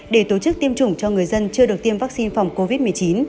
để tổ chức tiêm chủng cho người dân chưa được tiêm vaccine phòng covid một mươi chín